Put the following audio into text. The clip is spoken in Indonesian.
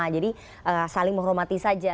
jadi saling menghormati saja